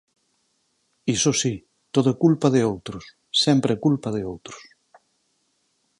Iso si, todo é culpa de outros, sempre é culpa de outros.